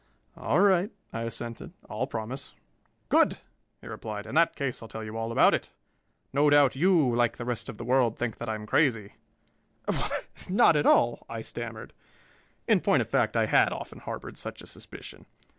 "All right," I assented, "I'll promise." "Good!" he replied. "In that case, I'll tell you all about it. No doubt you, like the rest of the world, think that I'm crazy?" "Why, not at all," I stammered. In point of fact, I had often harbored such a suspicion.